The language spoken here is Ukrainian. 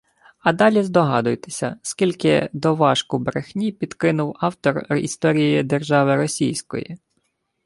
А далі здогадуйтеся, скільки «доважку брехні» підкинув автор «Історії держави Російської»